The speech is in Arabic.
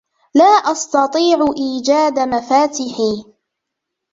لا استطيع إيجاد مفاتيحي.